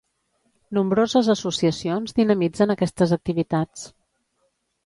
Nombroses associacions dinamitzen aquestes activitats.